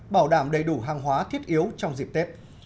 bảo đảm đầy đủ hàng hóa thiết yếu trong dịp tết